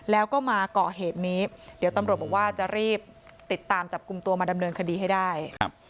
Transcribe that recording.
แล้วก็มาเกาะเหตุนี้เดี๋ยวตำรวจบอกว่าจะรีบติดตามจับกลุ่มตัวมาดำเนินคดีให้ได้ครับ